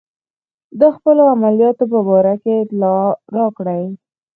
د خپلو عملیاتو په باره کې اطلاع راکړئ.